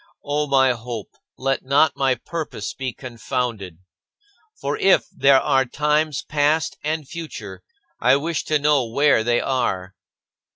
O my Hope, let not my purpose be confounded. For if there are times past and future, I wish to know where they are.